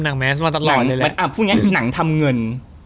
อาพูดอย่างงั้นหนังทำเงิน